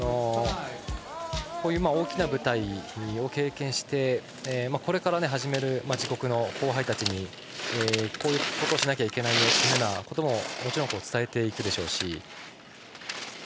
こういう大きな舞台を経験してこれから始める自国の後輩たちにこういうことをしなきゃいけないということももちろん伝えていくでしょうし。